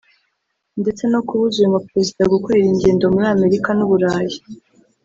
ndetse no kubuza uyu mu Perezida gukorera ingendo muri Amerika n’u Burayi